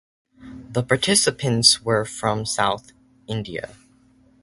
The participants were from South India.